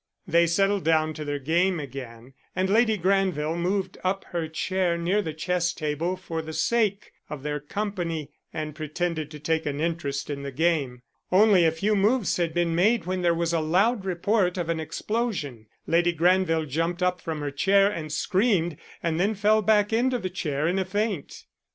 They settled down to their game again and Lady Granville moved up her chair near the chess table for the sake of their company and pretended to take an interest in the game. Only a few moves had been made when there was a loud report of an explosion. Lady Granville jumped up from her chair and screamed and then fell back into the chair in a faint.